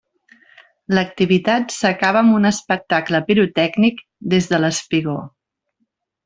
L'activitat s'acaba amb un espectacle pirotècnic des de l'espigó.